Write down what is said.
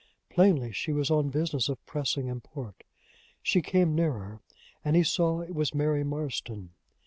Plainly she was on business of pressing import. She came nearer, and he saw it was Mary Marston.